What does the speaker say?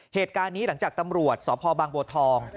เหตุการณ์นี้หลังจากตำรวจสพบางบัวทอง